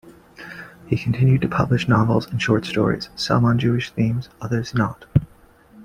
He continued to publish novels and short stories, some on Jewish themes, others not.